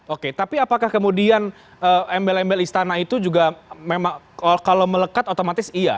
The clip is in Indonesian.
oke tapi apakah kemudian embel embel istana itu juga memang kalau melekat otomatis iya